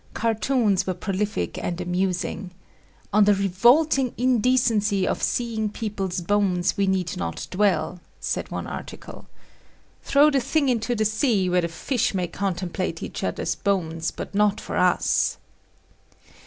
Cartoons were prolific and amusing. "On the revolting indecency of seeing people's bones we need not dwell," said one article. "Throw the thing into the sea where the fish may contemplate each other's bones but not for us!"